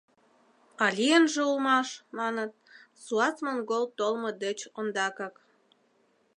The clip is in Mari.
А лийынже улмаш, маныт, суас-монгол толмо деч ондакак...